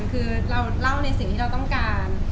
คือเราเล่าในสิ่งที่เราต้องการ